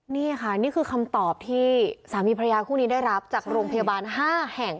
นี่ค่ะนี่คือคำตอบที่สามีภรรยาคู่นี้ได้รับจากโรงพยาบาล๕แห่ง